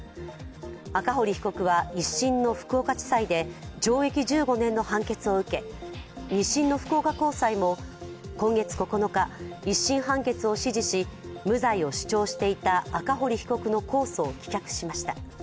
赤堀被告は１審の福岡地裁で懲役１５年の判決を受け２審の福岡高裁も今月９日、１審判決を支持し無罪を主張していた赤堀被告の控訴を棄却しました。